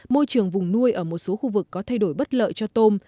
môi trường vùng nuôi ở một số khu vực có thay đổi bất lợi cho tôm